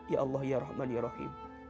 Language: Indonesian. ya allah ya rahman ya rahim